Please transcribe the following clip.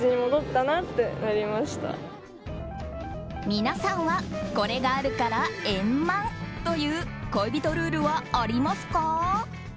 皆さんはこれがあるから円満！という恋人ルールはありますか？